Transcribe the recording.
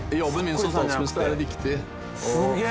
すげえ！